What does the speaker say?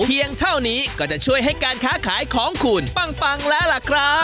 เท่านี้ก็จะช่วยให้การค้าขายของคุณปังแล้วล่ะครับ